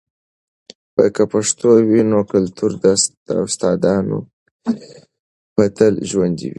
که پښتو وي، نو کلتوري داستانونه به تل ژوندۍ وي.